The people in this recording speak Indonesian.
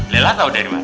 laila tau dari mana